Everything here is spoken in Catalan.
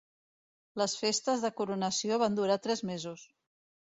Les festes de coronació van durar tres mesos.